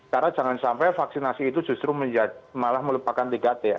karena jangan sampai vaksinasi itu justru malah melepakan tiga t ya